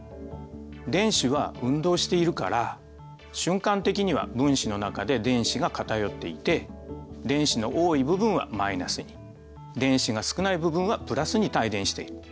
電子は運動しているから瞬間的には分子の中で電子が偏っていて電子の多い部分はマイナスに電子が少ない部分はプラスに帯電している。